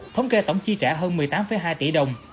thống kê tổng chi trả hơn một mươi tám hai tỷ đồng